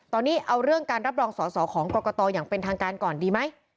ตอนนี้เอาเรื่องการรับรองสอสอของกรกตอย่างเป็นทางการก่อนดีไหม